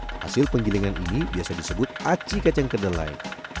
hasil penggilingan ini biasa disebut aci kacang kedelai